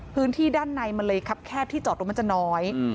พื้นที่ด้านในมันเลยครับแคบที่จอดรถมันจะน้อย